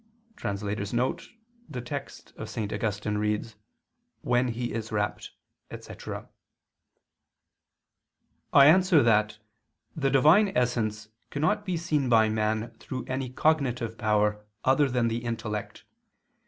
*" [*The text of St. Augustine reads: "when he is rapt," etc.] I answer that, The Divine essence cannot be seen by man through any cognitive power other than the intellect.